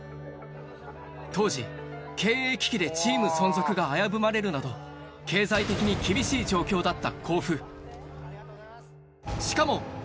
当時、経営危機でチーム存続が危ぶまれるなど、経済的に厳しい状況だった甲府。